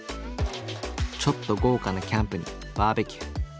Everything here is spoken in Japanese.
ちょっと豪華なキャンプにバーベキュー。